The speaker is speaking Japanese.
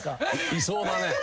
いそうだね。